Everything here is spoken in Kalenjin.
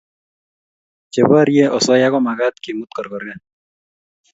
che barie asoya ko magat kemut korokroret